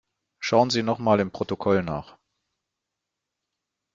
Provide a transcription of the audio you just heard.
Schauen Sie noch mal im Protokoll nach.